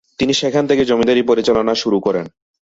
তিনি সেখান থেকেই জমিদারি পরিচালনা শুরু করেন।